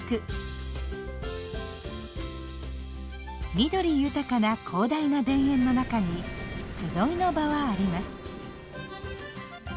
緑豊かな広大な田園の中に「集いの場」はあります。